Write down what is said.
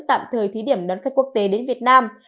tạm thời thí điểm đón khách quốc tế đến việt nam